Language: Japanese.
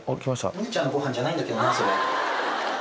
むぅちゃんのご飯じゃないんだけどなそれ。